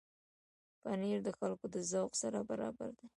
پنېر د خلکو د ذوق سره برابر دی.